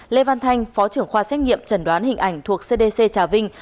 lê văn thanh phó trưởng khoa xét nghiệm trần đoán hình ảnh thuộc cdc trà vinh